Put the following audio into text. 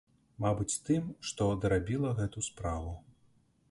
Мабыць, тым, што дарабіла гэту справу.